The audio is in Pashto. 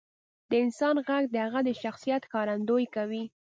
• د انسان ږغ د هغه د شخصیت ښکارندویي کوي.